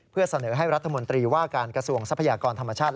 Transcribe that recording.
เพื่อเสนอให้รัฐมนตรีว่าการกระทรวงทรัพยากรธรรมชาติ